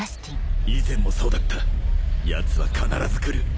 以前もそうだった奴は必ず来る。